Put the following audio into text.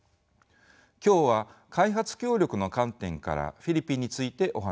今日は開発協力の観点からフィリピンについてお話しします。